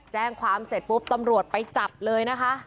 แจ้งความเสร็จปุ๊บตำรวจไปจับเลยนะคะ